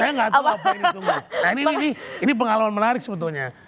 saya tidak tahu apa yang ditunggu ini pengalaman menarik sebetulnya